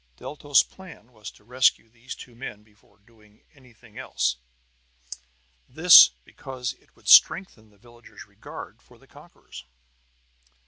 Deltos's plan was to rescue these two men before doing anything else; this, because it would strengthen the villagers' regard for the conquerors.